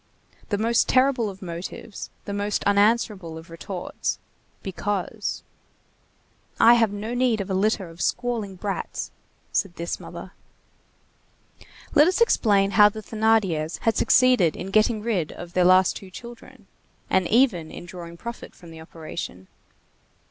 The most terrible of motives, the most unanswerable of retorts—Because. "I have no need of a litter of squalling brats," said this mother. Let us explain how the Thénardiers had succeeded in getting rid of their last two children; and even in drawing profit from the operation.